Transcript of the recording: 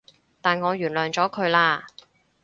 但我原諒咗佢喇